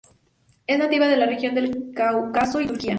Es nativa de la región del Cáucaso y Turquía.